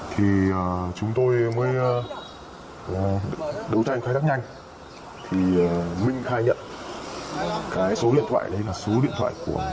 thì chúng tôi mới đấu tranh khai thác nhanh thì minh khai nhận cái số điện thoại đấy là số điện thoại của